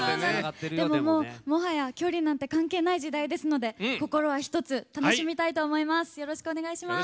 もはや距離なんて関係ない時代ですので心は一つ、楽しみたいと思います。